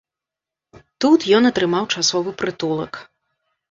Тут ён атрымаў часовы прытулак.